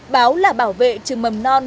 báo là bảo vệ trừng mầm non